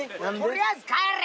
取りあえず帰れや！